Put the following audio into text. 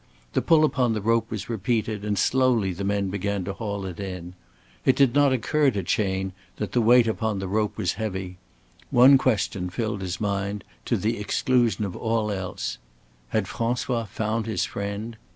The pull upon the rope was repeated, and slowly the men began to haul it in. It did not occur to Chayne that the weight upon the rope was heavy. One question filled his mind, to the exclusion of all else. Had François found his friend?